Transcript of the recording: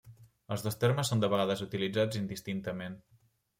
Els dos termes són de vegades utilitzats indistintament.